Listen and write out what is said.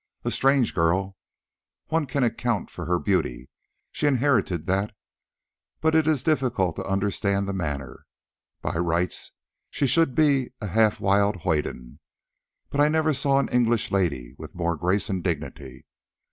A strange girl! One can account for her beauty, she inherited that; but it is difficult to understand the manner. By rights she should be a half wild hoyden, but I never saw an English lady with more grace and dignity.